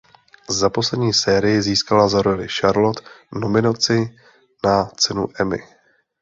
Za poslední sérii získala za roli Charlotte nominaci na cenu Emmy.